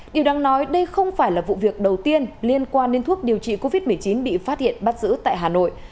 điều đáng nói đây không phải là vụ việc đầu tiên liên quan đến thuốc điều trị covid một mươi chín bị phát hiện bắt giữ tại hà nội